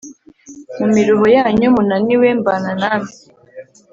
Mu miruho yanyu munaniwe mbana namwe